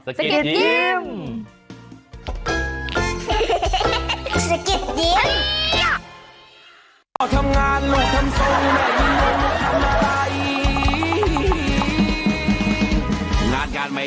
สะกิดยิ้ม